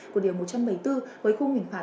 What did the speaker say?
của điều một trăm bảy mươi bốn với khung hình phạt